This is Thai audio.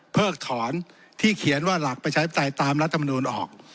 เพิกถอนที่เขียนว่าหลักประชาธิปไตยตามรัฐมนูลออก